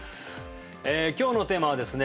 今日のテーマはですね